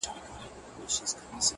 مه وايه دا چي اور وړي خوله كي ـ